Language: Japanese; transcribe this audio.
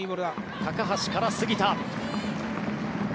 高橋から杉田。